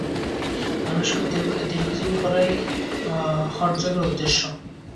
মানুষকে দীর্ঘজীবী করাই হঠযোগের উদ্দেশ্য।